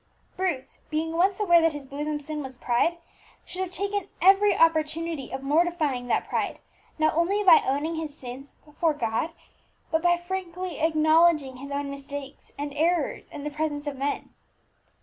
Bruce, being once aware that his bosom sin was pride, should have taken every opportunity of mortifying that pride, not only by owning his sins before God, but by frankly acknowledging his own mistakes and errors in the presence of men.